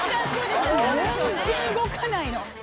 全然動かないの。